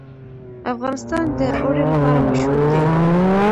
افغانستان د اوړي لپاره مشهور دی.